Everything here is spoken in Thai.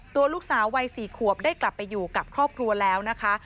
ตัวลูกสาววัย๔ขวบได้กลับไปอยู่กับครอบครัวแล้วนะคะ